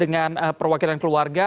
dengan perwakilan keluarga